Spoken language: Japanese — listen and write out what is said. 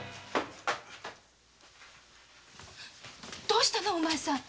どうしたのお前さん！？